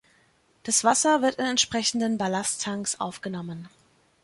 Das Wasser wird in entsprechenden Ballasttanks aufgenommen.